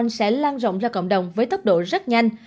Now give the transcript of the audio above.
nhiều người dân sẽ lan rộng ra cộng đồng với tốc độ rất nhanh